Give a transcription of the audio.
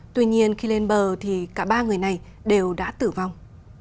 tuy nhiên khi lên bờ thì cả ba người này đều đã tử vong